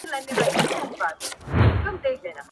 څېړنه د محصلینو د پوهې کچه روښانه کوي.